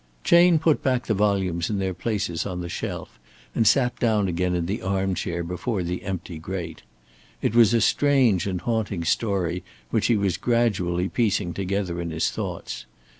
Chayne put back the volumes in their places on the shelf, and sat down again in the arm chair before the empty grate. It was a strange and a haunting story which he was gradually piecing together in his thoughts.